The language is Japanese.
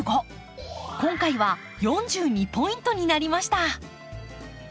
今回は４２ポイントになりました。